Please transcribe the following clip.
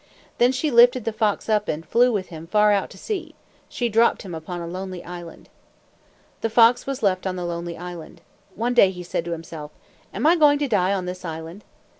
Then she lifted the fox up and flew with him far out to sea. She dropped him upon a lonely island. The fox was left on the lonely island. One day he said to himself, "Am I going to die on this island?"